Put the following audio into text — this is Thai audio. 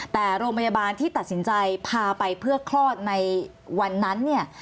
แต่โรงพยาบาลที่ตัดสินใจพาไปเพื่อคลอดในวันนั้นเนี่ย